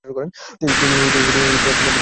তিনি বেইজিং যাত্রা করেন।